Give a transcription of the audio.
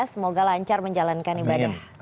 semoga lancar menjalankan ibadah